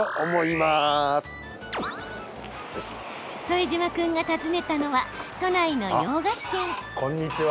副島君が訪ねたのは都内の洋菓子店。